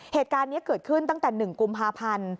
เหตุการณ์นี้เกิดขึ้นตั้งแต่๑กุมภาพันธ์